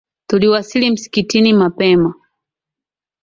Tuliwasili msikitini mapema.